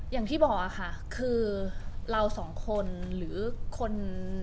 อย่างที่บอกค่ะคือเราสองคนหรือคน